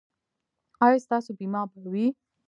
ایا ستاسو بیمه به وي؟